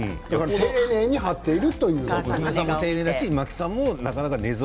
丁寧に貼っている。